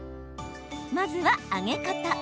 まずは揚げ方。